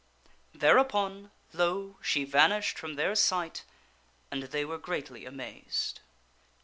Thereupon, lo! she vanished from their sight and they were greatly amazed.